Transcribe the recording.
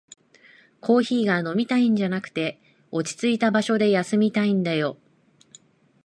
コーヒーが飲みたいんじゃなくて、落ちついた場所で休みたいんだよ